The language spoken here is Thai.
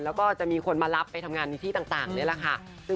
แล้วจะมีคนได้รับตรงไปทำงานเป็นพันธุ์ต่างแบบนี้